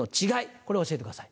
これ教えてください。